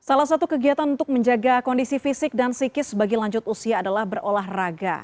salah satu kegiatan untuk menjaga kondisi fisik dan psikis bagi lanjut usia adalah berolahraga